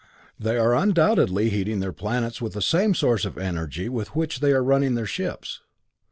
They are undoubtedly heating their planets with the same source of energy with which they are running their ships.